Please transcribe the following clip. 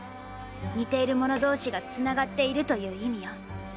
似ているもの同士がつながっているという意味よ。